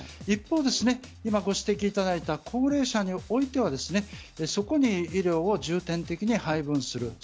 一方、今ご指摘いただいた高齢者においてはそこに医療を重点的に配分する。